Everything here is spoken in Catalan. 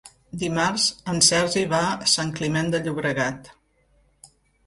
Dimarts en Sergi va a Sant Climent de Llobregat.